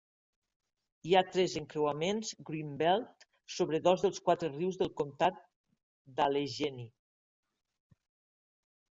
Hi ha tres encreuaments Green Belt sobre dos dels quatre rius del comtat d'Allegheny.